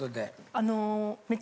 あの。